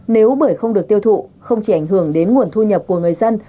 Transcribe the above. nếu bưởi không được tiêu thụ không chỉ ảnh hưởng đến nguồn thu nhập của người dân